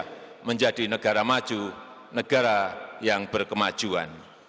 dan membawa indonesia menjadi negara maju negara yang berkemajuan